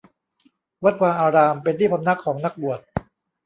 วัดวาอาราม เป็นที่พำนักของนักบวช